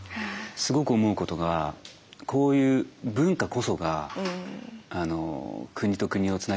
すごく思うことがこういう文化こそが国と国をつなげますね。